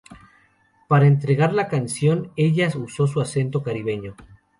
Para entregar la canción, ella usó su acento caribeño.